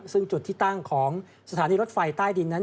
ซึ่งจุดที่ตั้งของสถานีรถไฟใต้ดินนั้น